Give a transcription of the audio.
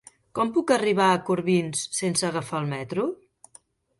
Com puc arribar a Corbins sense agafar el metro?